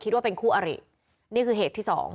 ว่าเป็นคู่อรินี่คือเหตุที่สอง